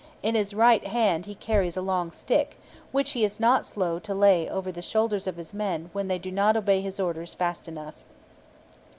In his right hand he carries a long stick, which he is not slow to lay over the shoulders of his men when they do not obey his orders fast enough.